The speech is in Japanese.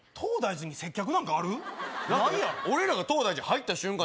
俺らが東大寺入った瞬間